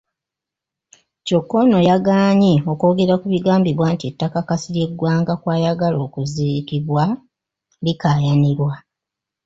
Kyokka ono yagaanye okwogera ku bigambibwa nti ettaka Kasirye Gwanga kwayagala okuziikibwa likaayanirwa.